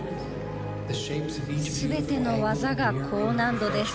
全ての技が高難度です。